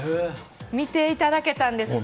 見ていただけたんですか？